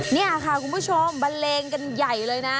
นี่ค่ะคุณผู้ชมบันเลงกันใหญ่เลยนะ